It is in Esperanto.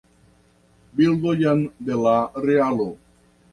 Bildojn de la realo.